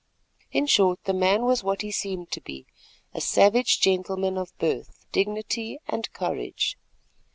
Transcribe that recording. In short the man was what he seemed to be, a savage gentleman of birth, dignity and courage.